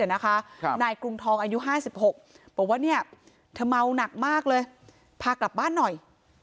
นายกรุงทองอายุ๕๖บอกว่าเธอเมาหนักมากเลยพากลับบ้านหน่อย